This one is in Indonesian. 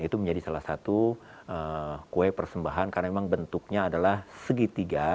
itu menjadi salah satu kue persembahan karena memang bentuknya adalah segitiga